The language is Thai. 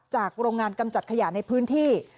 โรงงานกำจัดขยะในพื้นที่